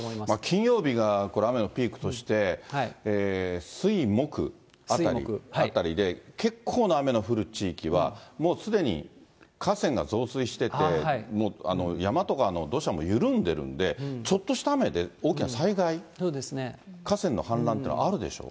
金曜日が雨のピークとして、水、木あたりで、結構な雨の降る地域は、もうすでに河川が増水してて、山とかの土砂も緩んでるんで、ちょっとした雨で大きな災害、河川の氾濫というのはあるでしょう。